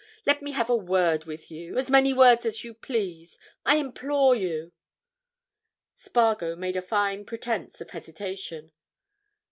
Let me have a word with you—as many words as you please. I implore you!" Spargo made a fine pretence of hesitation.